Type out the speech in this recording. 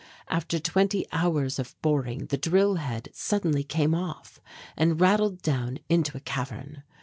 After twenty hours of boring, the drill head suddenly came off and rattled down into a cavern.